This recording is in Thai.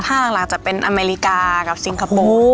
ภาคหลังจะเป็นอเมริกากับซิงคโปร์